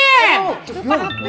teriaknya jangan di telinga mami toh